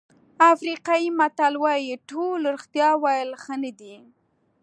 افریقایي متل وایي ټول رښتیا ویل ښه نه دي.